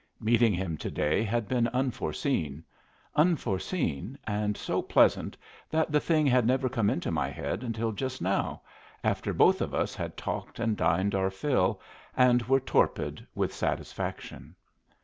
Meeting him to day had been unforeseen unforeseen and so pleasant that the thing had never come into my head until just now, after both of us had talked and dined our fill, and were torpid with satisfaction.